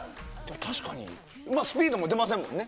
確かにスピードも出ませんもんね。